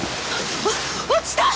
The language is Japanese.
落ちた！